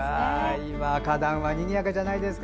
今、花壇はにぎやかじゃないですか？